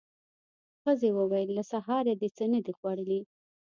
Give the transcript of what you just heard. ښځې وويل: له سهاره دې څه نه دي خوړلي.